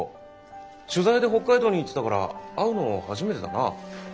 取材で北海道に行ってたから会うのは初めてだな。